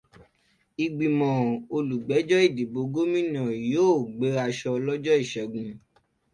Ìgbìmọ̀ olùgbẹ̀jọ́ ìbò gómìnà yóò gbérasọ lọ́jọ́ Iṣẹgun